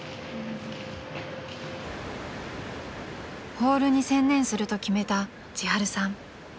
［ホールに専念すると決めたちはるさん］